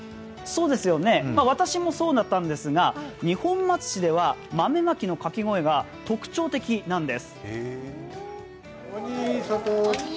私もそうだったんですが、二本松市では豆まきのかけ声が特徴的なんです。